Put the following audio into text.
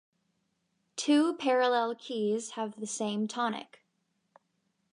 Two parallel keys have the same tonic.